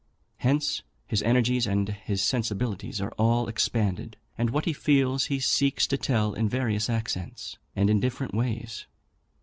Hence, his energies and his sensibilities are all expanded, and what he feels he seeks to tell in various accents, and in different ways.